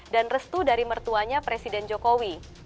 dan restu dari mertuanya presiden jokowi